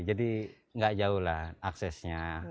jadi gak jauh lah aksesnya